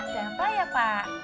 siapa ya pak